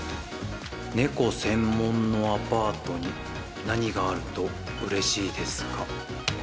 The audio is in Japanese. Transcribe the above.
猫専門のアパートに何があるとうれしいですか？